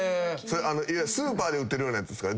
スーパーで売ってるようなやつですか？